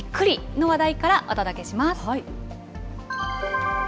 の話題からお届けします。